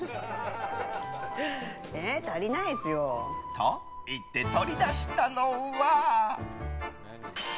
と言って、取り出したのは。